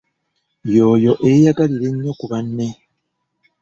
Y'oyo eyeeyagalira ennyo ku banne.